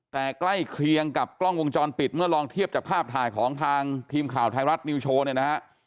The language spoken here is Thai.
แต่ใกล้เคียงกับกล้องวงจรปิดเมื่อลองเทียบจากภาพถ่ายของทางทีมข่าวไทยรัฐนิวโชว์เนี่ยนะฮะ